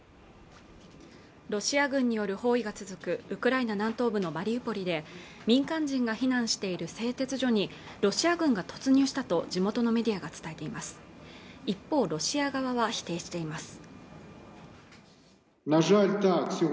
ロシア軍による包囲が続くウクライナ東部のマリウポリで民間人が避難している製鉄所にロシア軍が突入したと地元のメディアが伝えています一方ロシア側は否定しています